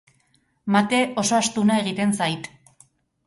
Mate oso astuna egiten zait.